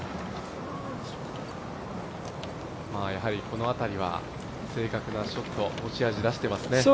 やはりこの辺りは、正確なショット持ち味出していますね。